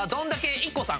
ＩＫＫＯさん。